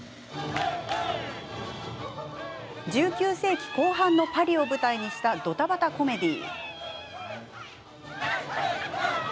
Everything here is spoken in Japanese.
１９世紀後半のパリを舞台にしたドタバタコメディー。